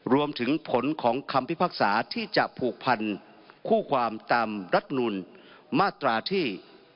รวมถึงผลของคำพิพากษาที่จะผูกพันคู่ความตามรัฐมนุนมาตราที่